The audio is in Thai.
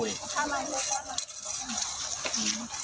กินจนในนี้